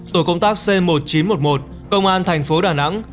tổ công tác c một nghìn chín trăm một mươi một công an thành phố đà nẵng